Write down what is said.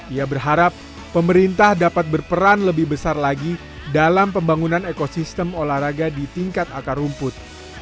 ia berharap pemerintah dapat berperan lebih besar lagi dalam pembangunan ekosistem olahraga di tingkat akar rumput